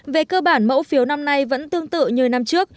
về cơ bản mẫu phiếu năm nay vẫn tương tự như năm trước